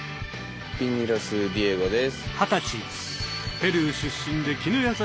ピニロス・ディエゴです。